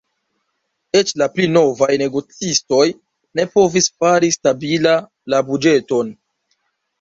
Eĉ la pli novaj negocistoj ne povis fari stabila la buĝeton.